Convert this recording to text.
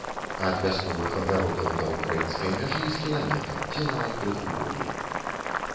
Ад вясковых агародаў да ўкраінскай мяжы з кіламетр ці нават крыху болей.